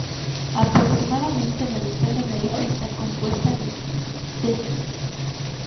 Aproximadamente la mitad de la isla está compuesta de tefra.